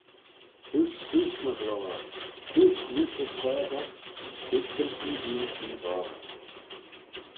"Dooisht seose, my ghloyr; dooisht lute as chlaasagh: dooisht-yms mee hene feer voghey."